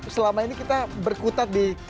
selama ini kita berkutat di